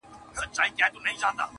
ومي د سترګو نګهبان لکه باڼه ملګري.